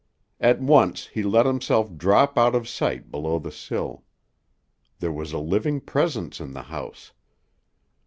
At once he let himself drop out of sight below the sill. There was a living presence in the house.